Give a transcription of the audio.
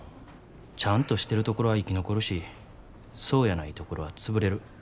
ちゃんとしてるところは生き残るしそうやないところは潰れる。